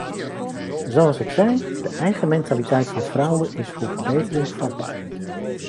Zoals ik zei, de eigen mentaliteit van vrouwen is voor verbetering vatbaar.